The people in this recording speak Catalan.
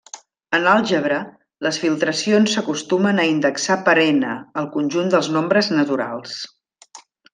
En àlgebra, les filtracions s'acostumen a indexar per ℕ, el conjunt dels nombres naturals.